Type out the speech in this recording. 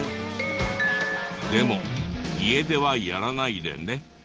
でも家ではやらないでね。